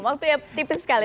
waktu ya tipis sekali